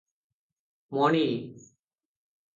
ମଣି!-"